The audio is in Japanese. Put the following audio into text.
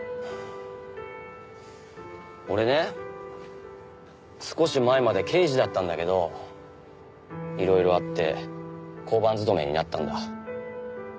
俺ね少し前まで刑事だったんだけどいろいろあって交番勤めになったんだ。